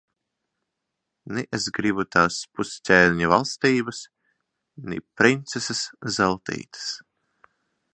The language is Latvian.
Ni es gribu tās pusķēniņa valstības, ni princeses Zeltītes.